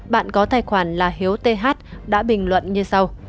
bạn có tài khoản là hiếu th đã bình luận như sau